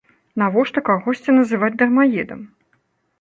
Навошта кагосьці называць дармаедам?